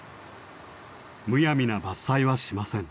むやみな伐採はしません。